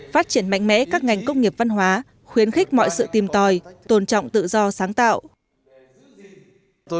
phát triển mạnh mẽ các ngành công nghiệp văn hóa khuyến khích mọi sự tìm tòi tôn trọng tự do sáng tạo